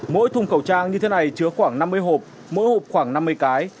mỗi thùng khẩu trang như thế này chứa khoảng năm mươi hộp mỗi hộp khoảng năm mươi cái